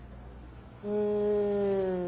うん。